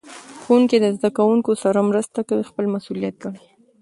ښوونکي د زده کوونکو سره مرسته کول خپل مسؤلیت ګڼي.